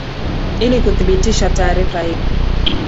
ili kuthibitisha taarifa hiyo